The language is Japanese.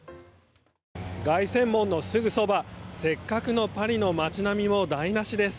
凱旋門のすぐそばせっかくのパリの街並みも台無しです。